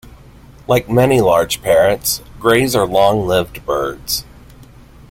Like many large parrots, greys are long-lived birds.